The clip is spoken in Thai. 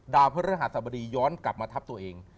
ดาวเพศรภาษธรรมดีย้อนกลับมาทับตัวเอง